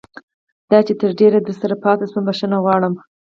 دا چې تر ډېره درسره پاتې شوم بښنه غواړم.